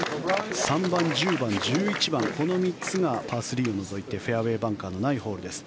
３番、１０番、１１番この３つがパー３を除いてフェアウェーバンカーのないホールです。